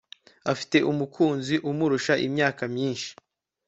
afite umukunzi umurusha imyaka myinshi